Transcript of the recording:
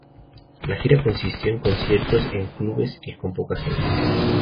La gira consistió en conciertos en clubes y con poca gente.